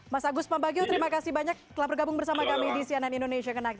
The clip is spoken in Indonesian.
mas agus pambagio terima kasih banyak telah bergabung bersama kami di cnn indonesia connecte